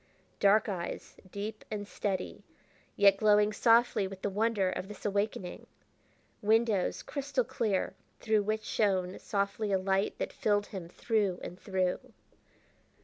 Dark eyes, deep and steady, yet glowing softly with the wonder of this awakening. Windows, crystal clear, through which shone softly a light that filled him through and through!